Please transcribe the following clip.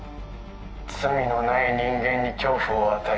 罪のない人間に恐怖を与え